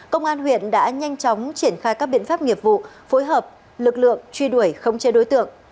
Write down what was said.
công an huyện đã nhanh chóng triển khai các biện pháp nghiệp vụ phối hợp lực lượng truy đuổi khống chế đối tượng